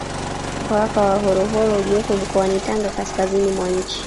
Mpaka wa Horohoro uliopo mkoani Tanga kaskazini mwa nchi